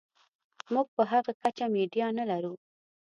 موږ په هغه کچه میډیا نلرو.